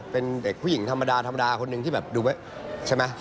เป็นเด็กผู้หญิงธรรมดาคนหนึ่งที่ดูไม่ใช่ไหม